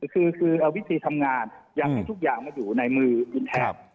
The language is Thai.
คือเอาวิธีทำงานอยากให้ทุกอย่างมาอยู่ในมือคุณแทน